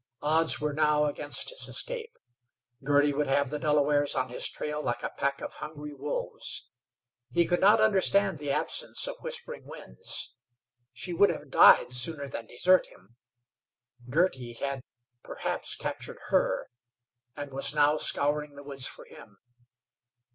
Odds were now against his escape. Girty would have the Delawares on his trail like a pack of hungry wolves. He could not understand the absence of Whispering Winds. She would have died sooner than desert him. Girty had, perhaps, captured her, and was now scouring the woods for him.